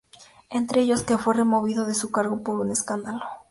Entre ellos, que fue removido de su cargo por un "escándalo".